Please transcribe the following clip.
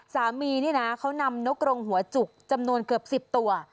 สามีนี่นะเขานำนกรงหัวจุกจำนวนเกือบ๑๐ตัว